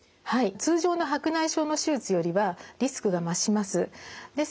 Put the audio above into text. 通常の白内障の手術よりはリスクが増します。